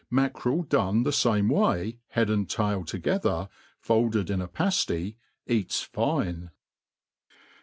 Mackerel done the fame way, head and tail together folded ill a pafty, e^ts fine.